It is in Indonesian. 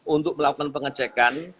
untuk melakukan pengecekan